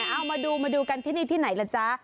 เอามาดูมาดูกันที่นี่ที่ไหนล่ะจ๊ะ